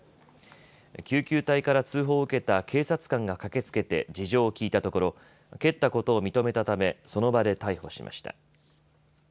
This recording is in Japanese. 救急隊から通報を受けた警察官が駆けつけて事情を聴いたところ蹴ったことを認めたためその場で逮捕しました。